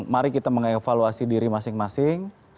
mari kita mengevaluasi diri masing masing